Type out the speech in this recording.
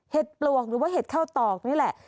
ปลวกหรือว่าเห็ดข้าวตอกนี่แหละ